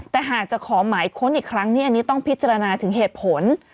แต่หากจะขอหมายค้นอีกครั้งนี่อันนี้ต้องพิจารณาถึงเหตุผล